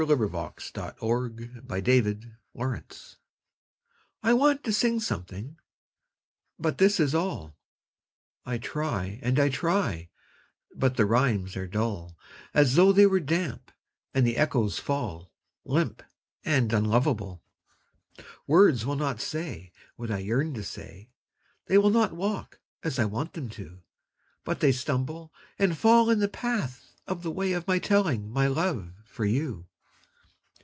A SCRAWL I want to sing something but this is all I try and I try, but the rhymes are dull As though they were damp, and the echoes fall Limp and unlovable. Words will not say what I yearn to say They will not walk as I want them to, But they stumble and fall in the path of the way Of my telling my love for you.